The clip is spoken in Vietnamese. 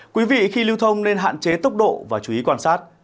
quý vị khi lưu thông nên hạn chế tốc độ và chú ý quan sát